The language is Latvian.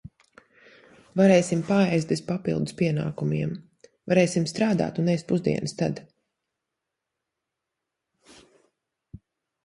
Varēsim paēst bez papildus pienākumiem, varēsim strādāt un ēst pusdienas tad.